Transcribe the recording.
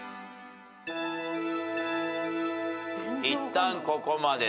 いったんここまで。